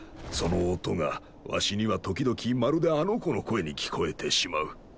その音がわしには時々まるであの子の声に聞こえてしまう。